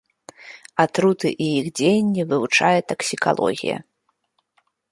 Атруты і іх дзеянне вывучае таксікалогія.